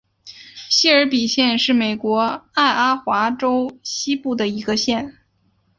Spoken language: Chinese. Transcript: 谢尔比县是美国爱阿华州西部的一个县。